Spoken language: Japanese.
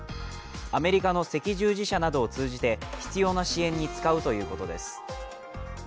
アメリカの赤十字社などを通じて必要な支援に使うということです。